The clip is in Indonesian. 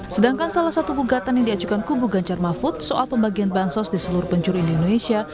sedangkan salah satu gugatan yang diajukan kubu ganjar mahfud soal pembagian bansos di seluruh pencuri di indonesia